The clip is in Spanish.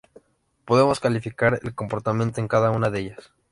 Podemos calificar el comportamiento en cada una de ellas.